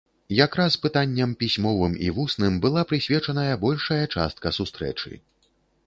Якраз пытанням, пісьмовым і вусным, была прысвечаная большая частка сустрэчы.